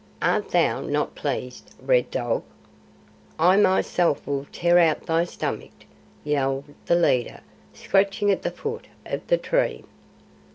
Art thou not pleased, Red Dog?" "I myself will tear out thy stomach!" yelled the leader, scratching at the foot of the tree.